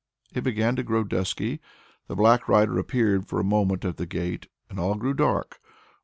It began to grow dusky; the black rider appeared for a moment at the gate, and all grew dark.